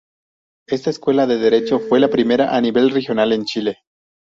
Esta Escuela de Derecho fue la primera a nivel regional en Chile.